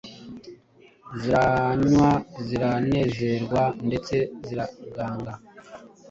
ziranywa, ziranezerwa ndetse ziraganga,